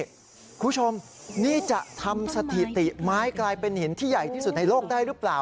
คุณผู้ชมนี่จะทำสถิติไม้กลายเป็นหินที่ใหญ่ที่สุดในโลกได้หรือเปล่า